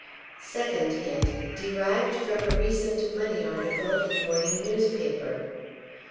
Second Hint. (Derived from a recent Money Article in morning Newspaper.)